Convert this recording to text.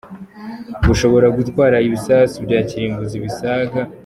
Bushobora gutwara ibisasu bya kirimbuzi bisaga .